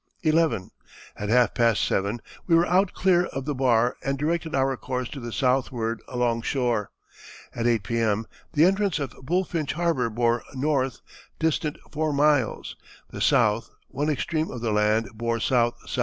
"11. At half past 7 we were out clear of the bar and directed our course to the southward along shore. At 8 P.M. the entrance of Bulfinch harbour bore N., distant 4 miles, the S. one extreme of the land, bore SSE.